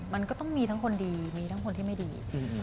มันก็ต้องมีทั้งคนดีมีทั้งคนที่ไม่ดี